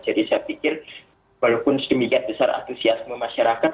jadi saya pikir walaupun sedemikian besar atusiasme masyarakat